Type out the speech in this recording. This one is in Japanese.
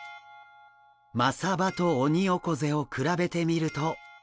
マサバとオニオコゼを比べてみると。